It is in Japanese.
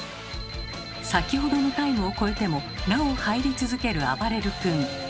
先ほどのタイムを超えてもなお入り続けるあばれる君。